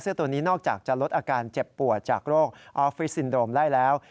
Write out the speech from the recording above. ตัวนี้นอกจากจะลดอาการเจ็บปวดจากโรคออฟฟิศซินโดมได้แล้ว